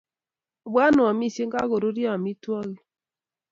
Opwan oamisye kakoruryo amitwogik